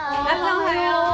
おはよう。